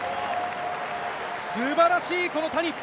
すばらしい、この谷。